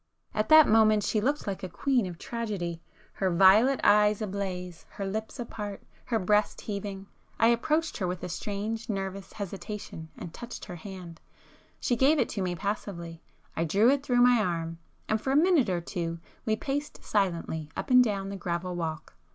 At that moment she looked like a queen of tragedy,—her violet eyes ablaze,—her lips apart,—her breast heaving;——I approached her with a strange nervous hesitation and touched her hand. She gave it to me passively,—I drew it through my arm, and for a minute or two we paced silently up and down the gravel walk.